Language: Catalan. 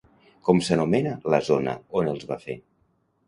Com s'anomena la zona on els va fer?